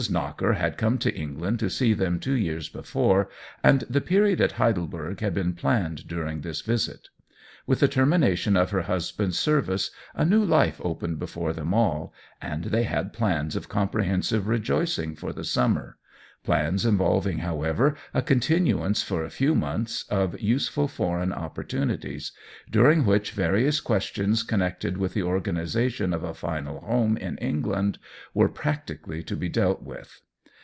Knocker had come to England to see them two years before, and the period at Heidelberg had been planned during this visit. With the termi nation of her husband's service a new life opened before them all, and they had plans of comprehensive rejoicing for the summer — plans involving, however, a continuance for a few months of useful foreign opportu nities, during which various questions con nected with the organization of a final home in England were practically to be dealt with.